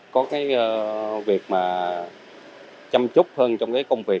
có cái việc mà chăm chút hơn trong cái công việc